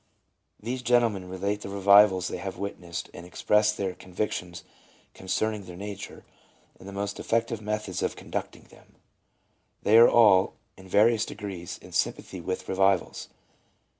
These gentlemen relate the Revivals they have witnessed, and express their convictions concerning their nature, and the most effective methods of conducting them. They are all, in various degrees, in sympathy with Revivals.